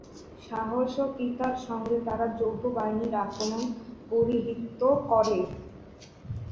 সাহসিকতার সঙ্গে তারা যৌথ বাহিনীর আক্রমণ প্রতিহত করে।